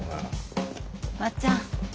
まっちゃん。